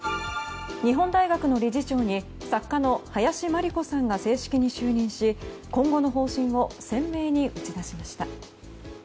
日本大学の理事長に作家の林真理子さんが正式に就任し、今後の方針を鮮明に打ち出しました。